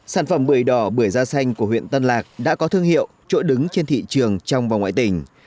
sản phẩm bưởi đỏ bưởi da xanh của huyện tân lạc đã có thương hiệu chỗ đứng trên thị trường trong và ngoài tỉnh